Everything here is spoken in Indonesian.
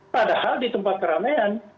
padahal di tempat keramaian